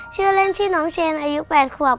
ชื่อเล่นชื่อน้องเชนอายุ๘ขวบ